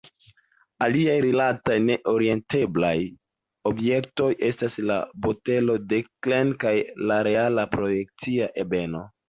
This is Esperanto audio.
Aliaj rilatantaj ne-orienteblaj objektoj estas la botelo de Klein kaj la reela projekcia ebeno.